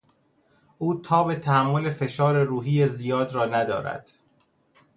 او تاب تحمل فشار روحی زیاد را ندارد.